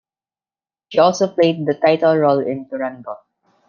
She also played the title role in "Turandot".